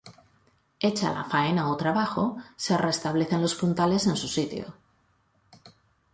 Hecha la faena o trabajo se restablecen los puntales en su sitio.